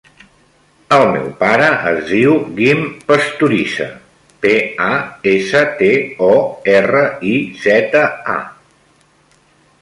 El meu pare es diu Guim Pastoriza: pe, a, essa, te, o, erra, i, zeta, a.